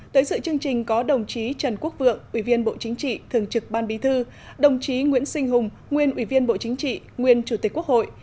tới sự chương trình có đồng chí trần quốc vượng ủy viên bộ chính trị thường trực ban bí thư đồng chí nguyễn sinh hùng nguyên ủy viên bộ chính trị nguyên chủ tịch quốc hội